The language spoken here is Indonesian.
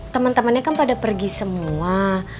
temen temennya kan pada pergi semua